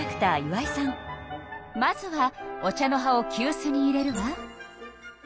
まずはお茶の葉をきゅうすに入れるわ。